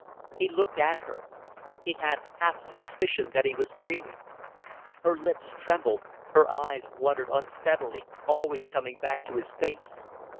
He looked at her. He had half a suspicion that he was dreaming. Her lips trembled; her eyes wandered unsteadily, always coming back to his face.